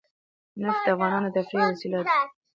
نفت د افغانانو د تفریح یوه وسیله ده.